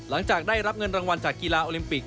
หลังจากได้รับเงินรางวัลจากกีฬาโอลิมปิก